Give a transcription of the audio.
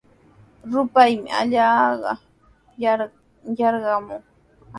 Rupaymi allaqlla yarqamun.